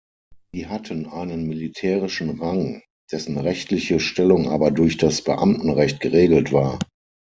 Sie hatten einen militärischen Rang, dessen rechtliche Stellung aber durch das Beamtenrecht geregelt war.